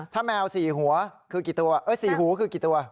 ถ้าแมวสี่หูคือกี่ตัว